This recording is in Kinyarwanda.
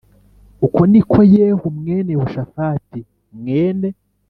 Uko ni ko Yehu mwene Yehoshafati mwene